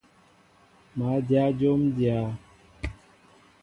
Má dyă jǒm dyá.